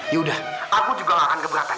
yaudah aku juga lakan keberatan